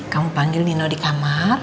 kamu panggil nino di kamar